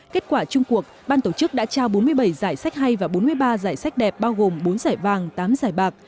kết quả chung cuộc ban tổ chức đã trao bốn mươi bảy giải sách hay và bốn mươi ba giải sách đẹp bao gồm bốn giải vàng tám giải bạc